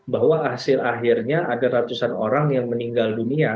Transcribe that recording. bahwa hasil akhirnya ada ratusan orang yang meninggal dunia